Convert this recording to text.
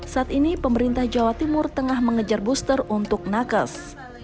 saat ini pemerintah jawa timur tengah mengejar booster untuk nakes